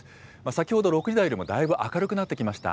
先ほど６時台よりも、だいぶ明るくなってきました。